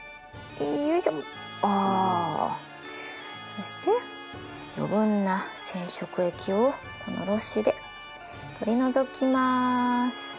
そして余分な染色液をこのろ紙で取り除きます。